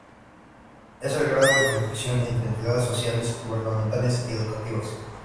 Es el grado de conexión entre entidades sociales, gubernamentales y educativas.